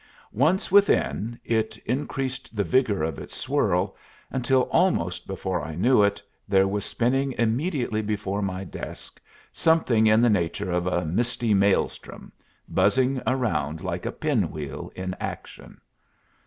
Once within, it increased the vigor of its swirl, until almost before I knew it there was spinning immediately before my desk something in the nature of a misty maelstrom, buzzing around like a pin wheel in action.